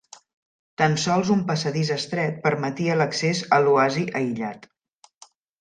Tan sols un passadís estret permetia l'accés a l'oasi aïllat.